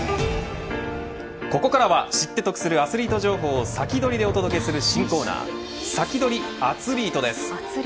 ここからは知って得するアスリート情報を先取りでお届けする新コーナーサキドリアツリートです。